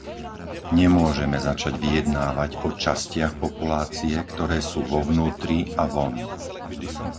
Nemôžeme začať vyjednávať o častiach populácie, ktoré sú vo vnútri a von.